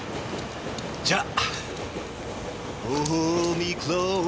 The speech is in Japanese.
じゃあ！